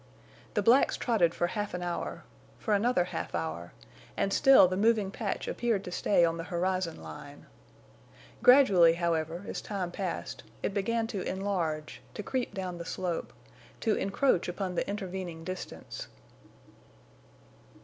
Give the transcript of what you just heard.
The blacks trotted for half an hour, for another half hour, and still the moving patch appeared to stay on the horizon line. Gradually, however, as time passed, it began to enlarge, to creep down the slope, to encroach upon the intervening distance.